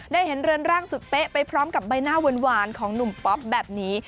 ได้เห็นเรือนร่างสุดเป๊ะไปพร้อมกับใบหน้าหวานของหนุ่มป๊อปแบบนี้